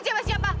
dom batu betul kok